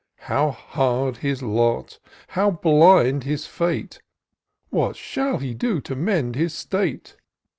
How hard his lot ! how blind his fate ! What shall he do to mend his state